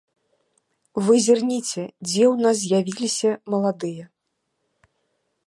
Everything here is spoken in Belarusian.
Вы зірніце, дзе ў нас з'явіліся маладыя.